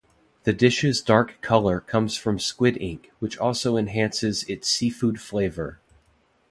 The dish's dark color comes from squid ink which also enhances its seafood flavor.